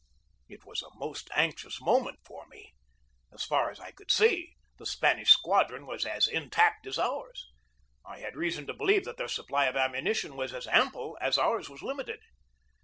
It was a most anxious moment for me. So far as I could see, the Spanish squadron was as intact as ours. I had reason to believe that their supply of ammunition was as ample as ours was limited.